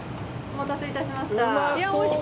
お待たせいたしました。